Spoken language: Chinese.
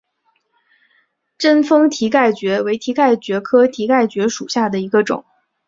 贞丰蹄盖蕨为蹄盖蕨科蹄盖蕨属下的一个种。